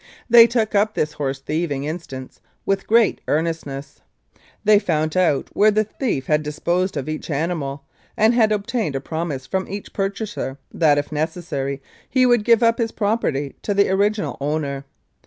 They took up this horse thieving instance with great earnestness. They found out where the thief had disposed of each animal, and had obtained a promise from each purchaser that, if necessary, he would give up his property to the original owner.